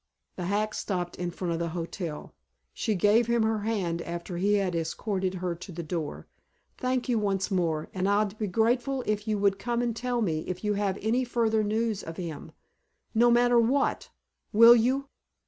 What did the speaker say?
The hack stopped in front of the hotel. She gave him her hand after he had escorted her to the door. "Thank you once more. And I'd be grateful if you would come and tell me if you have any further news of him no matter what. Will you?"